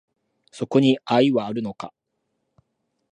そこに愛はあるのか